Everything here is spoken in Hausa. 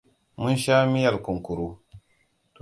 Mun sha miyar kunkuru.